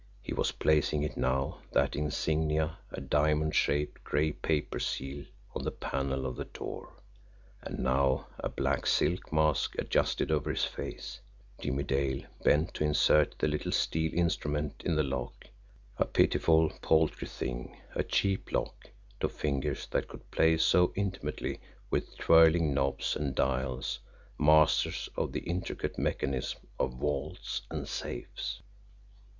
He was placing it now, that insignia, a diamond shaped, gray paper seal, on the panel of the door; and now, a black silk mask adjusted over his face, Jimmie Dale bent to insert the little steel instrument in the lock a pitiful, paltry thing, a cheap lock, to fingers that could play so intimately with twirling knobs and dials, masters of the intricate mechanism of vaults and safes!